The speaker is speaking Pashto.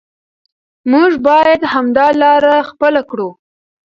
موږ باید همدا لاره خپله کړو.